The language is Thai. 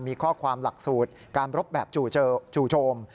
มีข้อความหลักสูตรการรบแบบจู่โชม